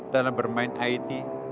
dalam bermain it